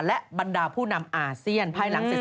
และบรรดาผู้นำอาเซียน